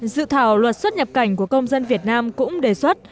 dự thảo luật xuất nhập cảnh của công dân việt nam cũng đề xuất